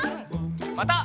また。